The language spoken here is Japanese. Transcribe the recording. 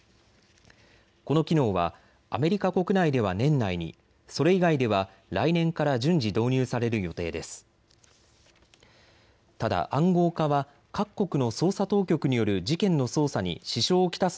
この機能はアメリカ国内では年内に、それ以外では来年から順次、導入される予定です。